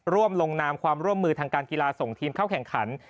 ร่วมลงนามความร่วมมือทางการกีฬาส่งทีมเข้าแข่งขัน